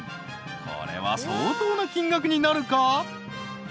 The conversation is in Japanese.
［これは相当な金額になるか？］